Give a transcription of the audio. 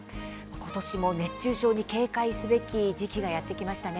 今年も熱中症に警戒すべき時期がやってきました。